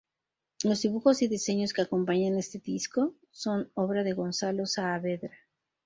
Los dibujos y diseños que acompañan este disco son obra de Gonzalo Saavedra.